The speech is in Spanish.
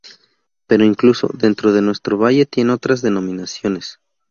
Pero incluso dentro de nuestro Valle tiene otras denominaciones.